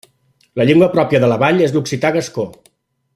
La llengua pròpia de la vall és l'occità gascó.